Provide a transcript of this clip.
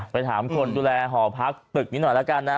ไปถามคนดูแลหอพักตึกนี้หน่อยแล้วกันนะ